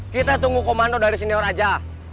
kita tunggu komando dari senior aja